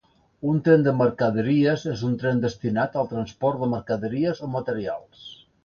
Un tren de mercaderies és un tren destinat al transport de mercaderies o materials.